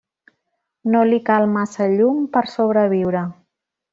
No li cal massa llum per a sobreviure.